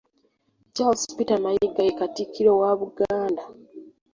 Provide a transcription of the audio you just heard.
Charles Peter Mayiga ye Katikkiro wa Buganda.